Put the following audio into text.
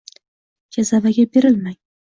Jazavaga berilmang